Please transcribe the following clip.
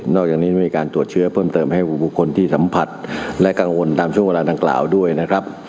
อกจากนี้ไม่มีการตรวจเชื้อเพิ่มเติมให้บุคคลที่สัมผัสและกังวลตามช่วงเวลาดังกล่าวด้วยนะครับ